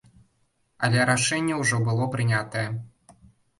Але рашэнне ўжо было прынятае.